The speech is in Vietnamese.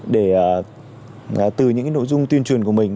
để từ những nội dung tuyên truyền của mình